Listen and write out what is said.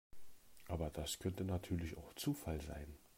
Aber das könnte natürlich auch Zufall sein.